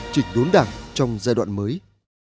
chỉnh đốn đảng trong giai đoạn mới